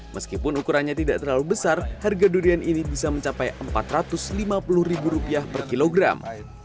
meskipun ukurannya tidak terlalu besar harga durian ini bisa mencapai rp empat ratus lima puluh per kilogram